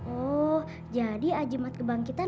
oh jadi ajimat kebangkitan